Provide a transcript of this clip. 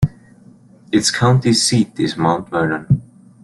Its county seat is Mount Vernon.